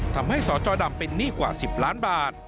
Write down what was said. สจดำเป็นหนี้กว่า๑๐ล้านบาท